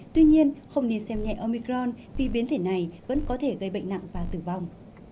tuy nhiên không nên xem nhẹ omicron vì biến thể này vẫn có thể gây bệnh nặng và tử vong